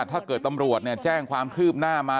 ถ้าเกิดตำรวจแจ้งความคืบหน้ามา